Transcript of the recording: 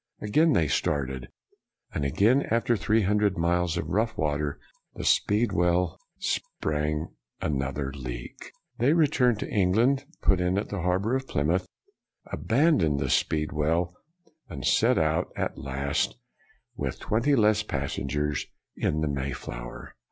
Again they started, and again after three hundred miles of rough water, the Speedwell sprung another leak. They returned to England, put in at the harbor of Plymouth, abandoned the Speedwell, and set out at last, with twenty less passengers, in the Mayflower.